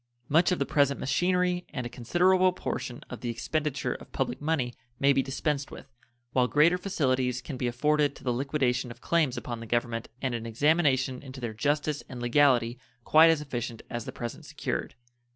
Much of the present machinery and a considerable portion of the expenditure of public money may be dispensed with, while greater facilities can be afforded to the liquidation of claims upon the Government and an examination into their justice and legality quite as efficient as the present secured.